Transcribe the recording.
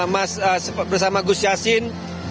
mas bersama gus yassin